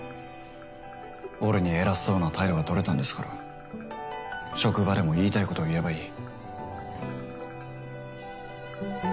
俺に偉そうな態度が取れたんですから職場でも言いたいことを言えばいい。